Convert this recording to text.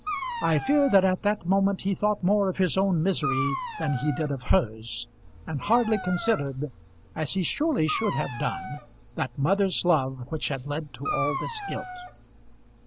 I fear that at that moment he thought more of his own misery than he did of hers, and hardly considered, as he surely should have done, that mother's love which had led to all this guilt.